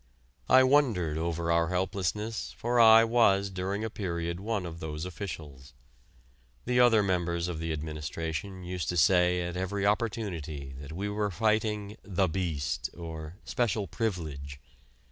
I wondered over our helplessness, for I was during a period one of those officials. The other members of the administration used to say at every opportunity that we were fighting "The Beast" or "Special Privilege."